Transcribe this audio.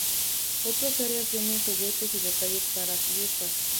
Otra área vende juguetes y detalles para fiestas.